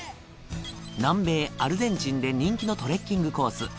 南米アルゼンチンで人気のトレッキングコース